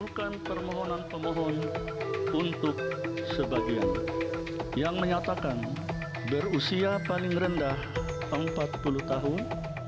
bukan permohonan pemohon untuk sebagian yang menyatakan berusia paling rendah empat puluh tahun